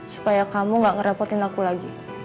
supaya kamu gak ngerepotin aku lagi